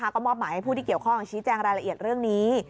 ก็มอบหมายให้ผู้ที่เกี่ยวข้องชี้แจงรายละเอียดเรื่องนี้